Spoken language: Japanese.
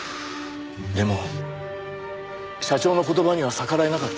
でも社長の言葉には逆らえなかった。